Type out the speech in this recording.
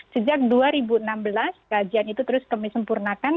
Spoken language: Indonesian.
sejak dua ribu enam belas kajian itu terus kami sempurnakan